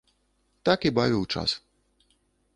Так і бавіў час.